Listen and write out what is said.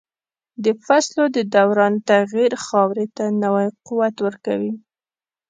د فصلو د دوران تغییر خاورې ته نوی قوت ورکوي.